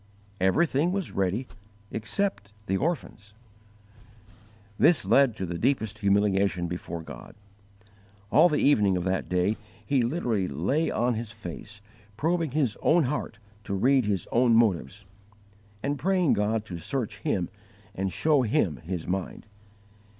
_ Everything was ready except the orphans. This led to the deepest humiliation before God. All the evening of that day he literally lay on his face, probing his own heart to read his own motives, and praying God to search him and show him His mind.